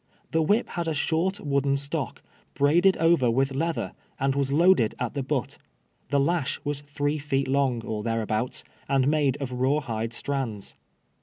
The whip had a short wooden stock, braided over with leather, and was loa<led at the butt. Tlie lash was three feet long, or thereabouts, and made of raw hide strands.